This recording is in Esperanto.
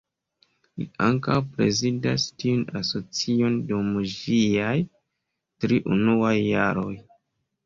Li ankaŭ prezidas tiun asocion dum ĝiaj tri unuaj jaroj.